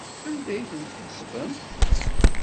Anda ay tent-tḥesbemt?